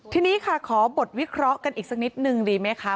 ทีนี้ค่ะขอบทวิเคราะห์กันอีกสักนิดนึงดีไหมคะ